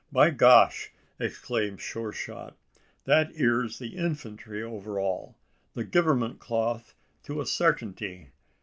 "By Gosh!" exclaimed Sure shot, "that eer's the infantry overall the givernment cloth to a sartingty.